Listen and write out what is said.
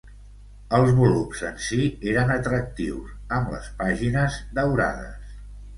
Els volums en si eren atractius, amb les pàgines daurades.